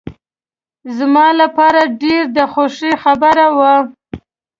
زما لپاره ډېر د خوښۍ خبره وه.